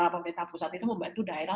pemerintah pusat itu membantu daerah